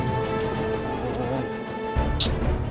fahri harus tau nih